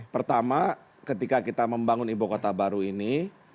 pertama ketika kita membangun ibu kota baru ini